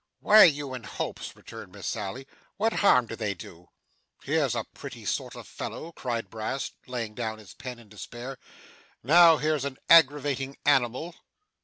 'Why are you in hopes?' returned Miss Sally. 'What harm do they do?' 'Here's a pretty sort of a fellow!' cried Brass, laying down his pen in despair. 'Now here's an aggravating animal!